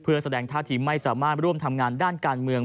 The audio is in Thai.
เพื่อแสดงท่าทีไม่สามารถร่วมทำงานด้านการเมือง